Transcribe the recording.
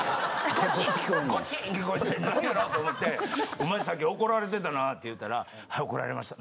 聞こえて何やろ？と思ってお前さっき怒られてたなって言うたら「はい怒られました」。